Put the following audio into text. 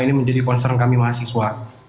ini menjadi concern kami mahasiswa